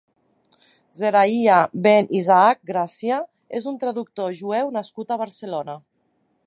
Zerahyah ben Ishaq Gràcia és un traductor jueu nascut a Barcelona.